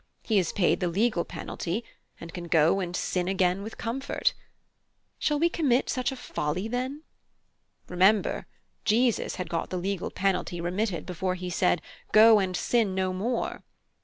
He has paid the legal penalty, and can 'go and sin again' with comfort. Shall we commit such a folly, then? Remember Jesus had got the legal penalty remitted before he said 'Go and sin no more.'